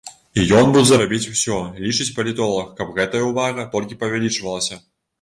І ён будзе рабіць усё, лічыць палітолаг, каб гэтая ўвага толькі павялічвалася.